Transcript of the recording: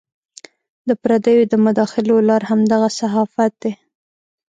د پردیو د مداخلو لار همدغه صحافت دی.